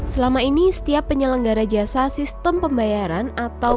selama ini setiap penyelenggara jasa sistem pembayaran atau